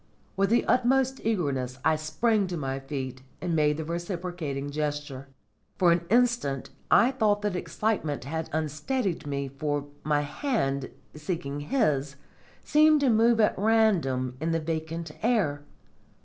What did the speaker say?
With the utmost eagerness I sprang to my feet and made the reciprocating gesture. For an instant I thought that excitement had unsteadied me, for my hand, seeking his, seemed to move at random in the vacant air.